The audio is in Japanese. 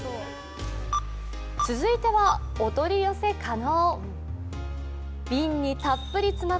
続いてはお取り寄せ可能。